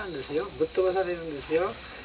ぶっ飛ばされるんですよ。